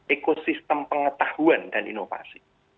ekosistem pengetahuan dan inovasi